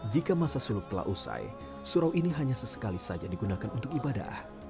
jika masa suluk telah usai surau ini hanya sesekali saja digunakan untuk ibadah